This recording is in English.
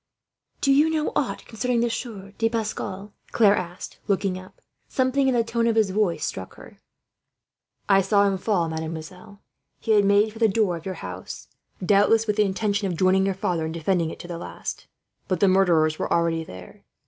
"Do you know aught concerning the Sieur de Pascal?" Claire asked, looking up. Something in the tone of his voice struck her. "I saw him fall, mademoiselle. He had made for the door of your house, doubtless with the intention of joining your father in defending it to the last; but the murderers were already there.